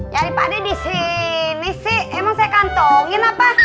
ya pakde disini sih emang saya kantongin apa